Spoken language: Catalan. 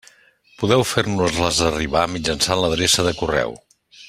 Podeu fer-nos-les arribar mitjançant l'adreça de correu.